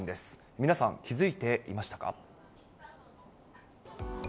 皆さん、気付いていましたか。